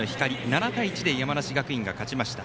７対１で山梨学院が勝ちました。